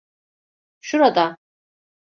Şurada.